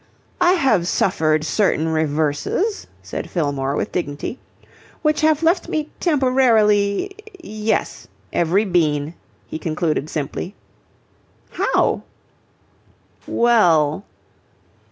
"I have suffered certain reverses," said Fillmore, with dignity, "which have left me temporarily... Yes, every bean," he concluded simply. "How?" "Well..."